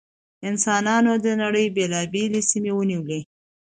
انسانانو د نړۍ بېلابېلې سیمې ونیولې.